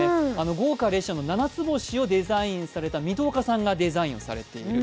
豪華列車のななつ星をデザインされた水戸岡さんがデザインされている。